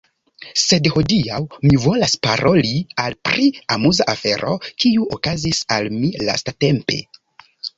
Sed hodiaŭ mi volas paroli al pri amuza afero, kiu okazis al mi lastatempe.